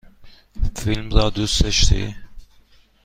فیلم را دوست داشتی؟